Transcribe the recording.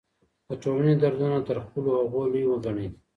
د ټولني دردونه تر خپلو هغو لوی وګڼئ.